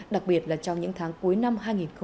đặc biệt là trong những tháng cuối năm hai nghìn hai mươi